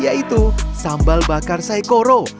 yaitu sambal bakar saikoro